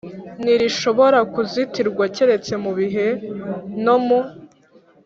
Ntirishobora kuzitirwa keretse mu bihe no mu